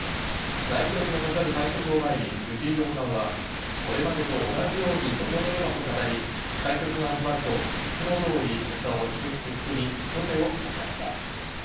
大記録のかかる対局を前に藤井四冠はこれまでと同じように臨めればと語り、対局が始まると、いつも通りお茶をひと口含み、初手を指しました。